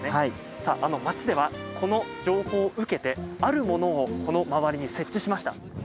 さあ、町ではこの情報を受けてあるものをこの周りに設置しました。